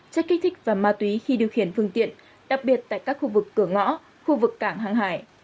chất kích thích và ma túy khi điều khiển phương tiện đặc biệt tại các khu vực cửa ngõ khu vực cảng hàng hải